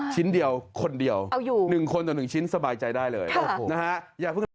ชิ้นเดียวคนเดียว๑คนต่อ๑ชิ้นสบายใจได้เลยนะฮะ